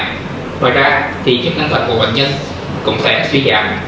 ngoài ra chức năng thần của bệnh nhân cũng sẽ xuyên giảm